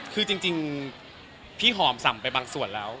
คือจริงพี่หอมส่ำไปบางส่วนแล้ว